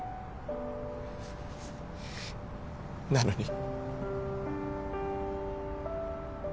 なのに。